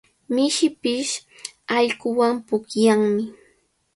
Mishipish allquwan pukllanmi.